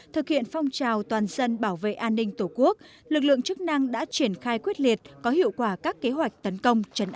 thực hiện phong trào toàn dân bảo vệ an ninh tổ quốc lực lượng chức năng đã triển khai quyết liệt có hiệu quả các kế hoạch tấn công chấn áp